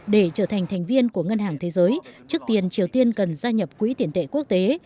để trở thành thành viên của ngân hàng thế giới trước tiên triều tiên cần gia nhập quỹ tiền tệ quốc tế